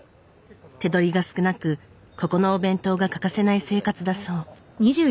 手取りが少なくここのお弁当が欠かせない生活だそう。